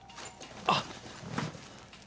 あっ。